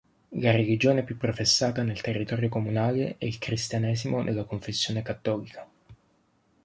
La religione più professata nel territorio comunale è il Cristianesimo nella confessione cattolica.